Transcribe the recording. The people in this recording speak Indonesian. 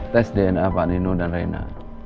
tes dna pak nino dan reina